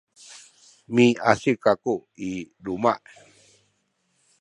miasik kaku i luma’.